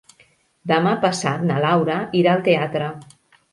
Demà passat na Laura irà al teatre.